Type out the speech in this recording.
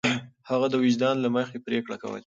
هغه د وجدان له مخې پرېکړې کولې.